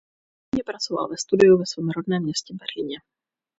V zimě pracoval ve studiu ve svém rodném městě Berlíně.